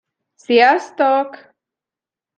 Sziasztok!